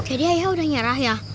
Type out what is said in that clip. jadi ayah udah nyerah ya